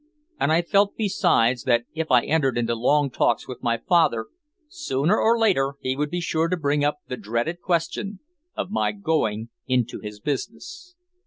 And I felt besides that if I entered into long talks with my father, sooner or later he would be sure to bring up the dreaded question of my going into his business.